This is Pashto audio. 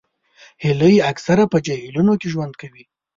هیلۍ اکثره په جهیلونو کې ژوند کوي